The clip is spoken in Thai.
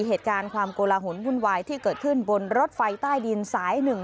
เหตุการณ์ความโกลหนวุ่นวายที่เกิดขึ้นบนรถไฟใต้ดินสาย๑